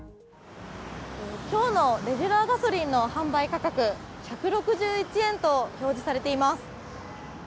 きょうのレギュラーガソリンの販売価格、１６１円と表示されています。